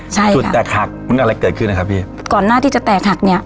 ใช่ค่ะจุดแตกหักมันอะไรเกิดขึ้นนะครับพี่ก่อนหน้าที่จะแตกหักเนี้ย